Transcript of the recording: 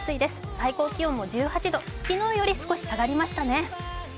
最高気温も１８度、昨日より少し下がりましたね。